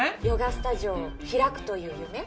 ヨガスタジオを開くという夢？